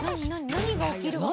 何が起きるわけ？